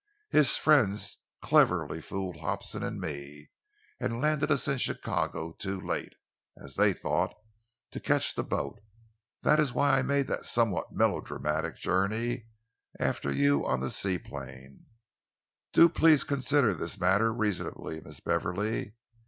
His friends cleverly fooled Hobson and me, and landed us in Chicago too late, as they thought, to catch the boat. That is why I made that somewhat melodramatic journey after you on the seaplane. Do please consider this matter reasonably, Miss Beverley.